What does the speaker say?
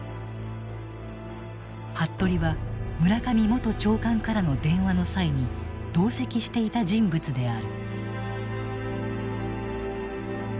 服部は村上元長官からの電話の際に同席していた人物である。